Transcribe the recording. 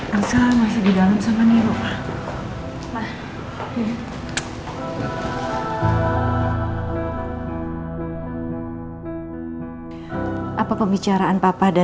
risa masih di dalam sama nero